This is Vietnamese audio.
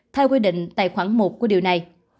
theo quy định tài khoản một của điều này